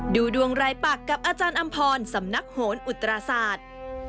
ดูดวงรายปักกับอาจารย์อำพรสำนักโหนอุตราศาสตร์